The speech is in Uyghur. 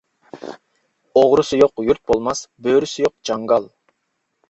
ئوغرىسى يوق يۇرت بولماس، بۆرىسى يوق جاڭگال.